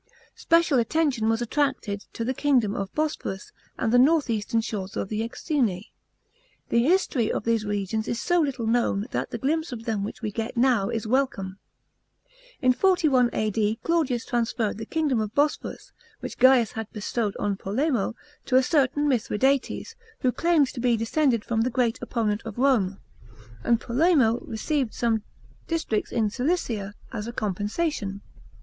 Special attention was attracted tc the kingdom of Bosporus and the north eastern shores of the Knxine. The history of these regions is so little known that the glimpse of them which we get now is welcome. In 41 A.D. Claudius transferred the kingdom of Bosporus, which Gains had bcstowrd on Polemo, to a certain Mithradates, who claimed to be descended from the great opponent of Rome; and Polemo received some districts in Cilicia as a compensation.